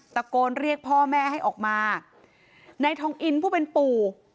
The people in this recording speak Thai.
ตะโกนเรียกพ่อแม่ให้ออกมานายทองอินผู้เป็นปู่